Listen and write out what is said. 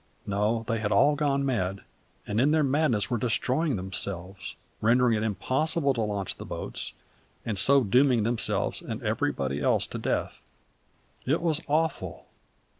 No, they had all gone mad, and, in their madness, were destroying themselves, rendering it impossible to launch the boats, and so dooming themselves and everybody else to death. It was awful!